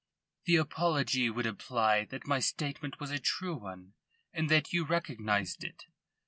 "The apology would imply that my statement was a true one and that you recognised it.